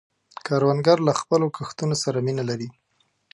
کروندګر له خپلو کښتونو سره مینه لري